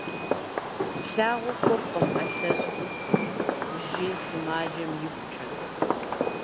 «Слъагъу хъуркъым ӏэлъэщӏ фӏыцӏэ», - жи, сымаджэм игукӏэ.